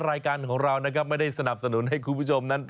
รายการของเรานะครับไม่ได้สนับสนุนให้คุณผู้ชมนั้น